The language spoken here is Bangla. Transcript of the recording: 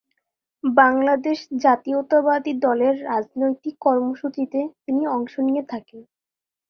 বাংলাদেশ জাতীয়তাবাদী দলের রাজনৈতিক কর্মসূচিতে তিনি অংশ নিয়ে থাকেন।